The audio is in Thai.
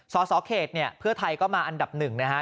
สอสอเขตเพื่อไทยก็มาอันดับหนึ่งนะคะ